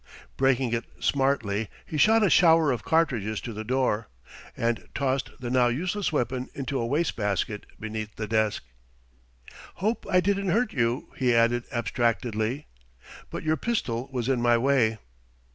Breaking it smartly, he shot a shower of cartridges to the door, and tossed the now useless weapon into a wastebasket beneath the desk. "Hope I didn't hurt you," he added abstractedly "but your pistol was in my way!"